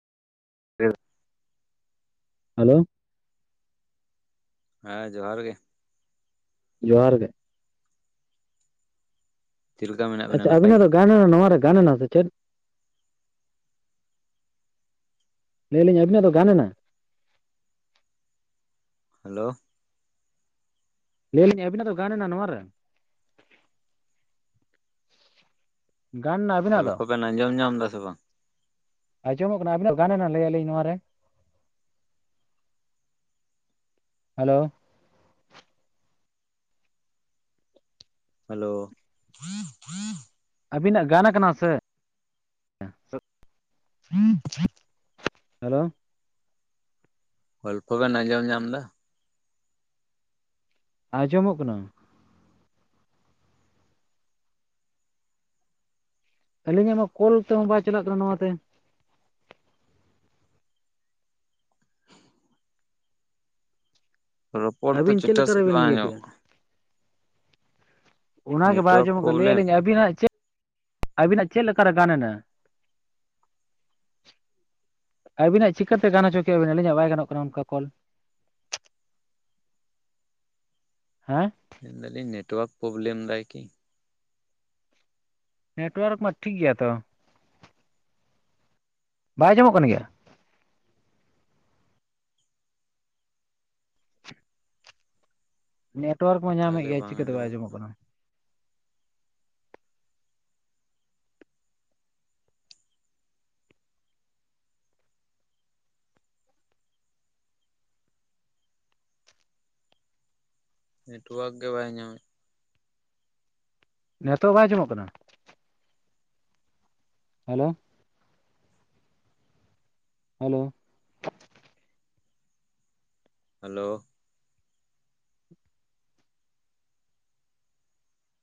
[unintelligible] Hello ᱦᱮᱸ ᱡᱚᱸᱦᱟᱨ ᱜᱮ ᱡᱚᱸᱦᱟᱨ ᱜᱮ ᱪᱮᱫ ᱞᱮᱠᱟ ᱢᱮᱱᱟᱜ ᱵᱮᱱᱟ ᱟᱪᱪᱷᱟ ᱱᱟᱯᱟᱭ ᱟᱵᱤᱱᱟᱜ ᱜᱮ ᱫᱚ ᱜᱟᱱᱮᱱᱟ ᱱᱚᱣᱟ ᱜᱟᱱᱮᱱᱟ ᱥᱮ ᱪᱮᱫ, ᱞᱟᱹᱭᱟᱞᱤᱧ ᱟᱵᱤᱱᱟᱜ ᱫᱚ ᱜᱟᱱ ᱮᱱᱟ? ᱦᱮᱞᱳ ᱞᱟᱹᱭ ᱟᱞᱤᱧ ᱟᱵᱤᱱᱟᱜ ᱫᱚ ᱜᱟᱱ ᱮᱱᱟ ᱱᱚᱣᱟ ᱨᱮ? ᱜᱟᱱ ᱱᱟ ᱟᱵᱤᱱᱟᱜ ᱫᱚ? ᱜᱚᱞᱯᱷᱚ ᱵᱮᱱ ᱟᱸᱡᱚᱢ ᱧᱟᱢ ᱮᱫᱟ ᱥᱮ ᱵᱟᱝ ᱟᱸᱡᱚᱢᱚᱜ ᱠᱟᱱᱟ ᱟᱹᱵᱤᱱᱟᱜ ᱜᱟᱱ ᱮᱱᱟ ᱞᱟᱹᱭ ᱟᱞᱤᱧ ᱱᱚᱣᱟ ᱨᱮ? ᱦᱮᱞᱳ ᱦᱮᱞᱳ ᱟᱹᱵᱤᱱᱟᱜ ᱜᱟᱱ ᱟᱠᱟᱱᱟ ᱥᱮ? ᱦᱮᱞᱳ ᱚᱞᱯᱚ ᱵᱮᱱ ᱟᱸᱡᱚᱢ ᱧᱟᱢ ᱮᱫᱟ? ᱟᱸᱡᱚᱢᱚᱜ ᱠᱟᱱᱟ᱾ ᱟᱹᱞᱤᱧᱟᱜ ᱢᱟ ᱠᱚᱞ ᱛᱮᱦᱚᱸ ᱵᱟᱭ ᱪᱟᱞᱟᱜ ᱠᱟᱱᱟ ᱱᱚᱣᱟᱛᱮ᱾ ᱨᱚᱯᱚᱲ ᱛᱚ ᱟᱹᱵᱤᱱ ᱪᱮᱫ ᱪᱷᱮᱴᱷᱟ ᱞᱮᱠᱟ ᱥᱮᱡ ᱨᱮᱵᱤᱱ ᱵᱟᱝ ᱤᱭᱟᱹ ᱠᱮᱫᱟ ᱟᱡᱟᱢᱚᱜ ᱠᱟ᱾ ᱚᱱᱟᱜᱮ ᱵᱟ ᱱᱮᱴᱣᱟᱨᱠ ᱟᱸᱡᱚᱢ [unintelligible] ᱞᱟᱹᱭ ᱯᱨᱚᱵᱞᱮᱢ ᱟᱞᱤᱧ ᱟᱹᱵᱤᱱᱟᱜ ᱪᱮ ᱟᱹᱵᱤᱱᱟᱜ ᱪᱮᱫ ᱞᱮᱠᱟᱨᱮ ᱜᱟᱱᱮᱱᱟ? ᱟᱹᱵᱤᱱᱟᱜ ᱪᱤᱠᱟᱹᱛᱮ ᱜᱟᱱ ᱦᱚᱪᱚ ᱠᱮᱜᱼᱟ ᱵᱤᱱ ᱟᱹᱞᱤᱧᱟᱜ ᱵᱟᱭ ᱜᱟᱱᱚᱜ ᱠᱟᱱᱟ ᱚᱱᱠᱟ ᱠᱚᱞ? ᱦᱮ ᱢᱮᱱᱫᱟᱞᱤᱧ ᱱᱮᱴᱚᱣᱟᱠ ᱯᱚᱵᱞᱮᱢ ᱫᱟᱭ ᱠᱤ? ᱱᱮᱴᱚᱣᱟᱨᱠ ᱢᱟ ᱴᱷᱤᱠ ᱜᱮᱭᱟ ᱛᱚ᱾ ᱵᱟᱭ ᱟᱡᱚᱢᱚᱜ ᱠᱟᱱ ᱜᱮᱭᱟ? ᱱᱮᱴᱚᱣᱟᱨᱠ ᱢᱟ ᱧᱟᱢᱮᱜ ᱜᱮᱭᱟ ᱪᱤᱠᱟᱹᱛᱮ ᱵᱟᱭ ᱟᱸᱡᱚᱢᱚᱜ ᱠᱟᱱᱟ? ᱱᱮᱴᱚᱣᱟᱨᱠ ᱜᱮ ᱵᱟᱭ ᱧᱟᱢᱮᱜ᱾ ᱱᱤᱛᱚᱜ ᱵᱟᱭ ᱟᱸᱡᱚᱢᱚᱜ ᱠᱟᱱᱟ? Hello hello hello